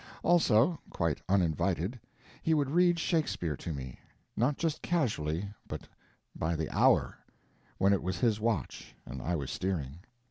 Also—quite uninvited—he would read Shakespeare to me; not just casually, but by the hour, when it was his watch and I was steering.